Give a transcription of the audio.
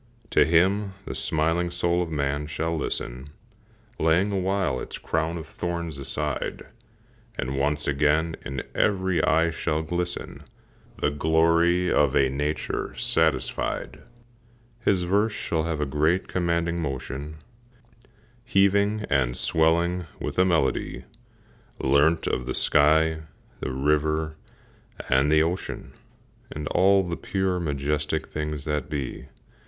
To him the smiling soul of man shall listen, Laying awhile its crown of thorns aside, And once again in every eye shall glisten The glory of a nature satisfied. His verse shall have a great, commanding motion, Heaving and swelling with a melody Learnt of the sky, the river, and the ocean, And all the pure, majestic things that be.